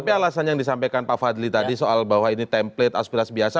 tapi alasan yang disampaikan pak fadli tadi soal bahwa ini template aspirasi biasa